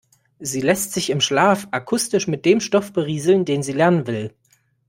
Sie lässt sich im Schlaf akustisch mit dem Stoff berieseln, den sie lernen will.